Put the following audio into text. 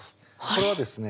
これはですね